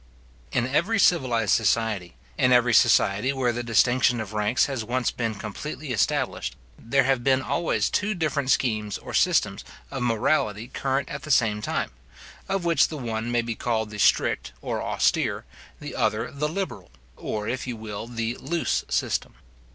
In every civilized society, in every society where the distinction of ranks has once been completely established, there have been always two different schemes or systems of morality current at the same time; of which the one may be called the strict or austere; the other the liberal, or, if you will, the loose system.